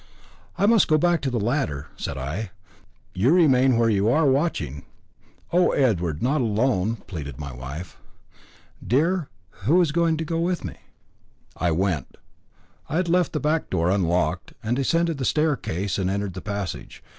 "I must go back to the ladder," said I; "you remain where you are, watching." "Oh, Edward! not alone," pleaded my wife. "My dear, who is to go with me?" I went. I had left the back door unlocked, and I ascended the staircase and entered the passage.